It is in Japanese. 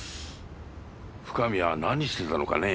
深見は何してたのかね